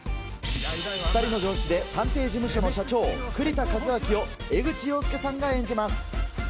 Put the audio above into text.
２人の上司で、探偵事務所の社長、栗田一秋を江口洋介さんが演じます。